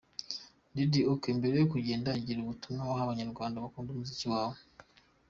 Diddy : Ok, mbere yo kugenda gira ubutumwa waha Abanyarwanda bakunda umuziki wawe ?.